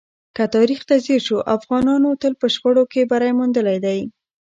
که تاریخ ته ځیر شو، افغانانو تل په شخړو کې بری موندلی دی.